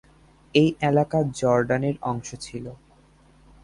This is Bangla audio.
এই এলাকা জর্ডানের অংশ ছিল।